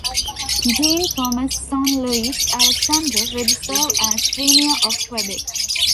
Jean-Thomas's son Louis-Alexandre would serve as Premier of Quebec.